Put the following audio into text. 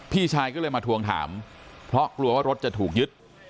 พี่ชายก็เลยมาทวงถามเพราะกลัวว่ารถจะถูกยึด